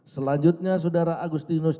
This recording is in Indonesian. selanjutnya saudara agustinus